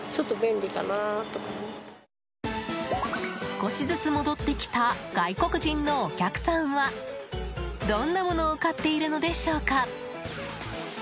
少しずつ戻ってきた外国人のお客さんはどんなものを買っているのでしょうか？